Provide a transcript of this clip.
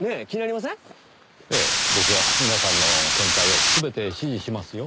ええ僕は皆さんの見解を全て支持しますよ。